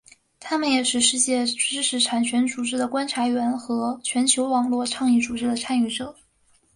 他们也是世界知识产权组织的观察员和全球网络倡议组织的参与者。